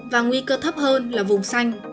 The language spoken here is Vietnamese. và nguy cơ thấp hơn là vùng xanh